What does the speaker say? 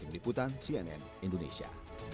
dibutang cnn indonesia